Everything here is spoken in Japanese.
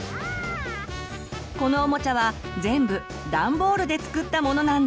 このおもちゃは全部ダンボールで作ったものなんです。